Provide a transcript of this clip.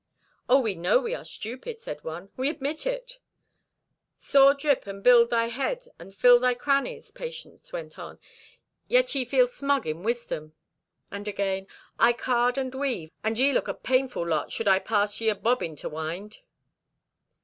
"Oh, we know we are stupid," said one. "We admit it." "Saw drip would build thy head and fill thy crannies," Patience went on, "yet ye feel smug in wisdom." And again: "I card and weave, and ye look a painful lot should I pass ye a bobbin to wind."